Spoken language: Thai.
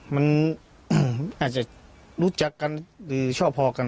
มันอาจจะรู้จักกันหรือชอบพอกัน